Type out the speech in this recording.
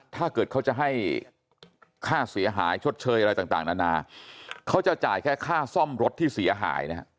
ถ้าเกิดเขาจะให้ค่าเสียหายชดเชยอะไรต่างนานาเขาจะจ่ายแค่ค่าซ่อมรถที่เสียหายนะฮะ